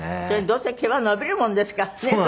それにどうせ毛は伸びるもんですからね